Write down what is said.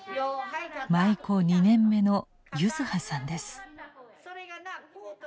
舞妓２年目の柚子葉さんです。